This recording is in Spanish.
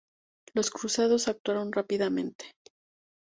Los cruzados actuaron rápidamente.